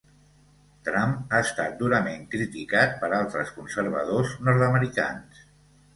Trump ha estat durament criticat per altres conservadors nord-americans.